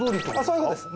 そういう事です。